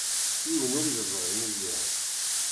Yiwen ur yeẓri Meẓyan.